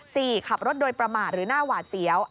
ขับรถโดยประมาทหรือหน้าหวาดเสียว